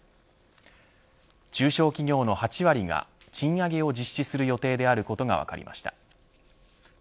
中小企業の８割が賃上げを実施する予定であることが分かりました。